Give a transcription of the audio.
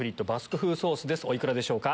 お幾らでしょうか？